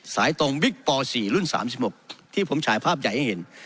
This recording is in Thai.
สายตรงบิ๊กป๔รุ่น๓๖ที่ผมฉายภาพใหญ่ให้เห็น